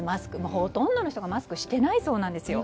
ほとんどの人がマスクをしていないそうなんですよ。